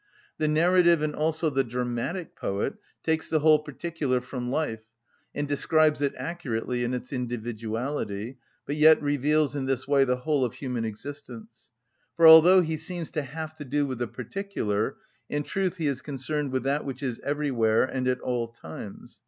The narrative and also the dramatic poet takes the whole particular from life, and describes it accurately in its individuality, but yet reveals in this way the whole of human existence; for although he seems to have to do with the particular, in truth he is concerned with that which is everywhere and at all times.